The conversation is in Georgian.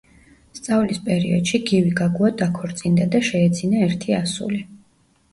სწავლის პერიოდში გივი გაგუა დაქორწინდა და შეეძინა ერთი ასული.